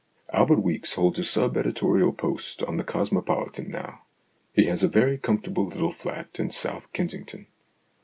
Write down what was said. Albert Weeks holds a sub editorial post on The Cosmopolitan now. He has a very comfortable little flat in South Kensington.